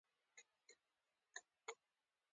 موږ به د جمعې په ورځ آرام وکړو.